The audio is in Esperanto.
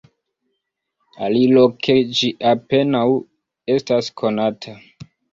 Aliloke ĝi apenaŭ estas konata.